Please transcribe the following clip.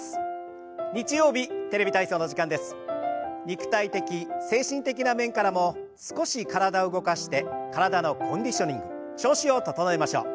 肉体的精神的な面からも少し体を動かして体のコンディショニング調子を整えましょう。